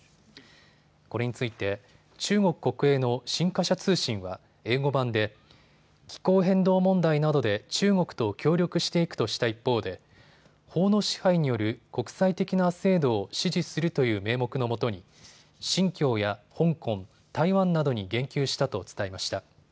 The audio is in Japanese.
これについて中国国営の新華社通信は英語版で気候変動問題などで中国と協力していくとした一方で法の支配による国際的な制度を支持するという名目の下に新疆や香港、台湾などに言及したと伝えました。